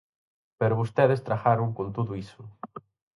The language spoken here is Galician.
Pero vostedes tragaron con todo iso.